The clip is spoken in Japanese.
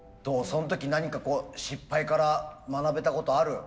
その時何か失敗から学べたことある？